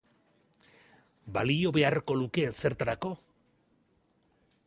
Balio beharko luke ezertarako?